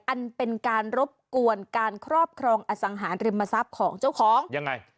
อันเป็นการรบกวนการครอบครองอสังหาริมทรัพย์ของเจ้าของยังไง